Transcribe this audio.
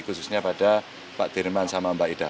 khususnya pada pak dirman sama mbak ida